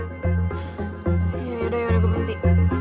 yaudah yaudah gue berhenti